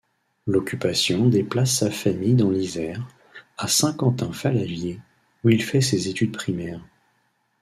L'Occupation déplace sa famille dans l'Isère à Saint-Quentin-Fallavier où il fait ses études primaires.